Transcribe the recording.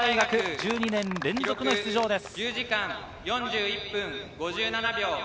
１２年連続の出場です。